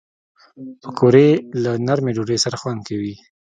پکورې له نرمې ډوډۍ سره خوند کوي